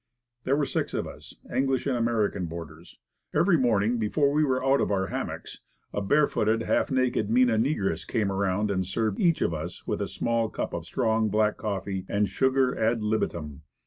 There were six of us, English and American board ers. Every morning, before we were out of our hammocks, a barefooted, half naked Mina negress came around and served each of us with a small cup of strong, black coffee, and sugar ad libitum.